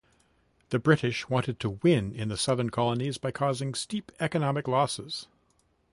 The British wanted to win in the southern colonies by causing steep economic losses.